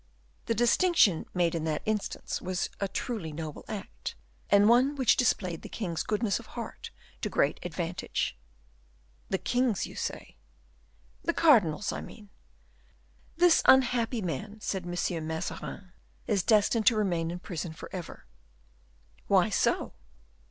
"The distinction made in that instance was a truly noble act, and one which displayed the king's goodness of heart to great advantage." "The king's, you say." "The cardinal's, I mean. 'This unhappy man,' said M. Mazarin, 'is destined to remain in prison forever.'" "Why so?"